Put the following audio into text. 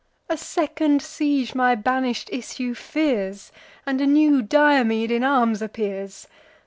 A second siege my banish'd issue fears, And a new Diomede in arms appears.